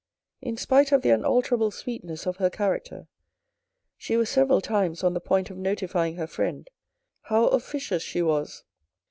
In spite of the unalterable sweetness of her character, she was several times on the point of notifying her friend how officious she was.